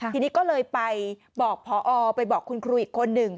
ทีนี้ก็เลยไปบอกพอไปบอกคุณครูอีกคนหนึ่ง